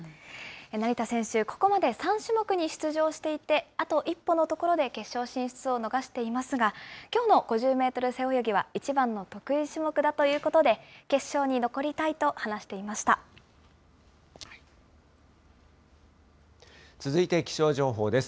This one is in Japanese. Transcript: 成田選手、ここまで３種目に出場していて、あと一歩のところで決勝進出を逃していますが、きょうの５０メートル背泳ぎは一番の得意種目だということで、決勝に残続いて気象情報です。